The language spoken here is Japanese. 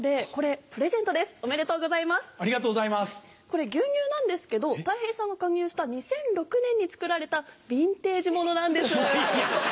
これ牛乳なんですけどたい平さんが加入した２００６年に作られたビンテージものなんです。